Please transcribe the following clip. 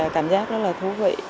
cảm giác rất là thú vị